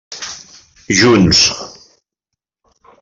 Junts.